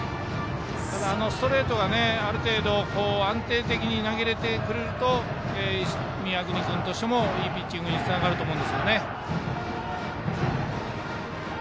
あのストレートを、ある程度安定的に投げられると宮國君としてもいいピッチングにつながると思います。